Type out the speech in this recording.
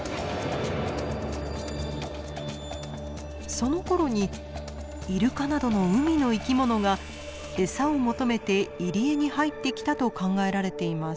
そのころにイルカなどの海の生き物が餌を求めて入り江に入ってきたと考えられています。